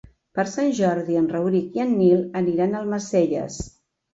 Per Sant Jordi en Rauric i en Nil aniran a Almacelles.